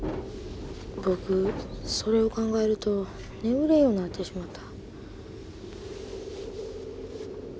僕それを考えると眠れんようになってしもた。